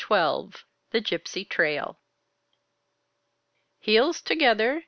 XII The Gypsy Trail "Heels together.